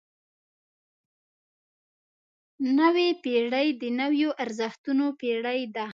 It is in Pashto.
نوې پېړۍ د نویو ارزښتونو پېړۍ ده.